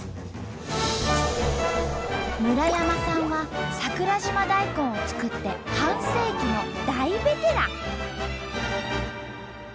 村山さんは桜島大根を作って半世紀の大ベテラン！